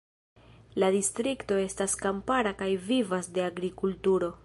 La distrikto estas kampara kaj vivas de agrikulturo.